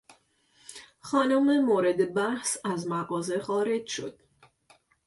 خانم مورد بحث از مغازه خارج شد.